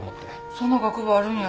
そんな学部あるんや。